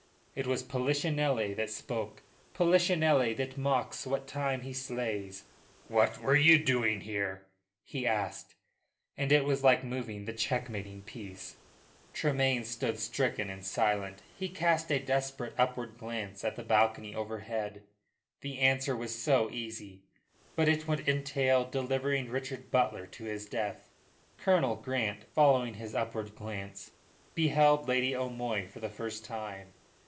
It was Polichinelle that spoke Polichinelle that mocks what time he slays. "What were you doing here?" he asked, and it was like moving the checkmating piece. Tremayne stood stricken and silent. He cast a desperate upward glance at the balcony overhead. The answer was so easy, but it would entail delivering Richard Butler to his death. Colonel Grant, following his upward glance, beheld Lady O'Moy for the first time.